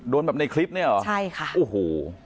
โดนแบบในคลิปเนี่ยเหรอใช่ค่ะโอ้โห